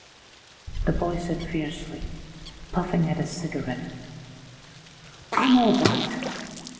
the boy said fiercely, puffing at his cigarette; 'I'm all right.